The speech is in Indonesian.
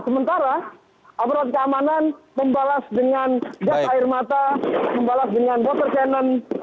sementara aparat keamanan membalas dengan gas air mata membalas dengan water cannon